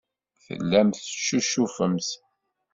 Tellamt teccucufemt.